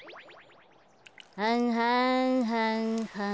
はんはんはんはん。